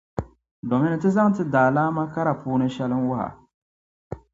Do mini Ti zaŋ Ti daalaama kara puuni shɛli n-wuhi a.